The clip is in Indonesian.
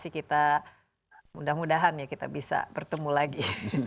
dari jakarta pasti kita mudah mudahan ya kita bisa bertemu lagi